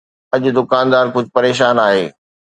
اڄ دڪاندار ڪجهه پريشان آهي